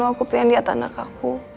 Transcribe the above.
aku pengen lihat anak aku